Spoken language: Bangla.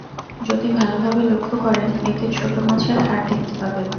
যদি ভালোভাবে লক্ষ্য করেন, এতে ছোটো মাছের হাড় দেখতে পাবেন।